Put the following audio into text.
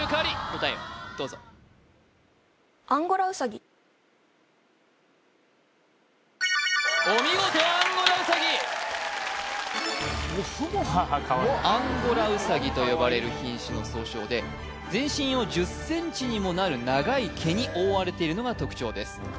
答えをどうぞお見事アンゴラウサギアンゴラウサギと呼ばれる品種の総称で全身を１０ｃｍにもなる長い毛に覆われているのが特徴です